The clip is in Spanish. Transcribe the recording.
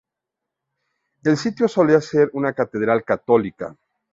El sitio solía ser una catedral católica.